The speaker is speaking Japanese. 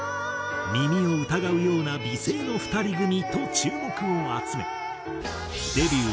「耳を疑うような美声の２人組」と注目を集めデビュー